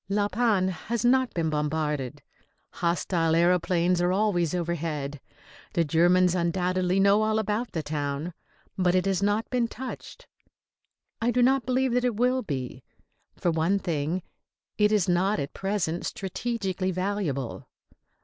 La Panne has not been bombarded. Hostile aëroplanes are always overhead. The Germans undoubtedly know all about the town; but it has not been touched. I do not believe that it will be. For one thing, it is not at present strategically valuable.